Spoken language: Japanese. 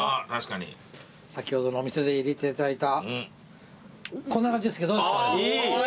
先ほどのお店で入れていただいたこんな感じですけどどうですかね。